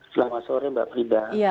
selamat sore mbak prida